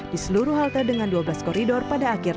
di seluruh halte dengan dua belas koridor pada akhir dua ribu dua puluh